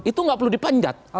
itu enggak perlu dipanjat